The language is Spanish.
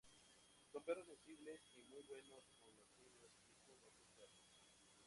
Son perros sensibles y muy buenos con los niños y con otros perros.